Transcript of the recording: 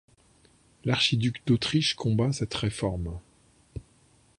L'archiduc d'Autriche combat cette réforme.